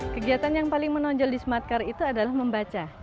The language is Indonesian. kegiatan yang paling menonjol di smartcar itu adalah membaca